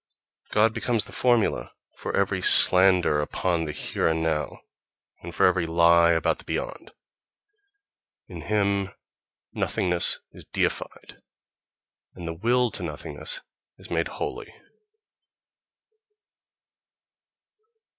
God becomes the formula for every slander upon the "here and now," and for every lie about the "beyond"! In him nothingness is deified, and the will to nothingness is made holy!...